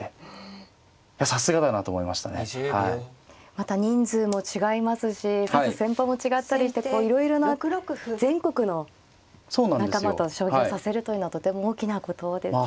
また人数も違いますし指す戦法も違ったりしていろいろな全国の仲間と将棋を指せるというのはとても大きなことですよね。